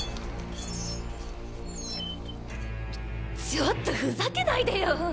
ちちょっとふざけないでよ！